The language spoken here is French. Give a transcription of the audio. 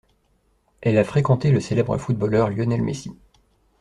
Elle a fréquenté le célèbre footballeur Lionel Messi.